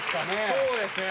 そうですね。